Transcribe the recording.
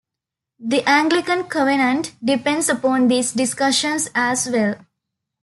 The Anglican Covenant depends upon these discussions as well.